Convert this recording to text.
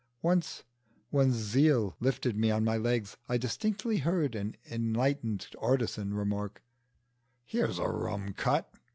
Once, when zeal lifted me on my legs, I distinctly heard an enlightened artisan remark, "Here's a rum cut!"